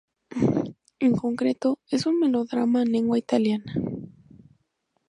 En concreto, es un melodrama en lengua italiana.